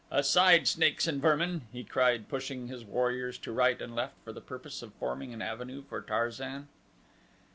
Aside, snakes and vermin," he cried pushing his warriors to right and left for the purpose of forming an avenue for Tarzan.